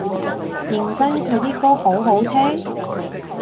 認真佢啲歌好好聽？